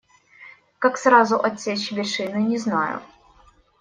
Как сразу отсечь вершины - не знаю.